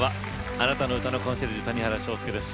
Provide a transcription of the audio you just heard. あなたの歌のコンシェルジュ谷原章介です。